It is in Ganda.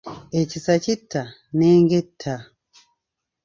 Ekisa kitta n’enge etta.